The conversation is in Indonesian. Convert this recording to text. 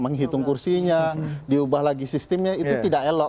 menghitung kursinya diubah lagi sistemnya itu tidak elok